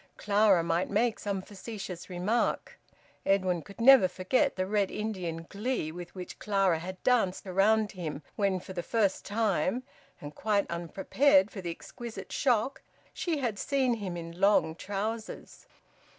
Clara might make some facetious remark. Edwin could never forget the Red Indian glee with which Clara had danced round him when for the first time and quite unprepared for the exquisite shock she had seen him in long trousers.